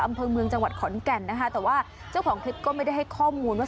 อำเภอเมืองจังหวัดขอนแก่นนะคะแต่ว่าเจ้าของคลิปก็ไม่ได้ให้ข้อมูลว่า